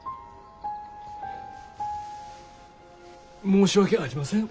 申し訳ありません。